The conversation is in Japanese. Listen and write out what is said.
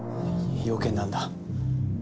用件なんだ？